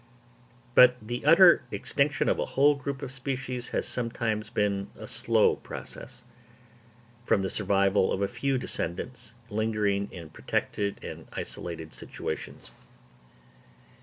But the utter extinction of a whole group of species has sometimes been a slow process, from the survival of a few descendants, lingering in protected and isolated situations.